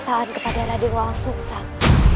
saya seperti yang sudah pernah